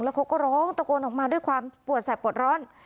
เขาก็ร้องตะโกนออกมาด้วยความปวดแสบปวดร้อน